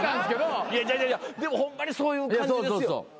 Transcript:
でもホンマにそういう感じですよ。